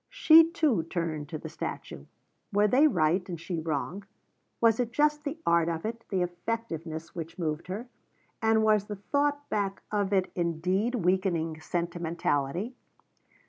She too turned to the statue. Were they right, and she wrong? Was it just the art of it, the effectiveness, which moved her, and was the thought back of it indeed weakening sentimentality?